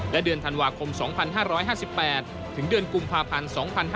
และเดือนธันวาคม๒๕๕๘ถึงเดือนกุมภาพันธ์๒๕๕๙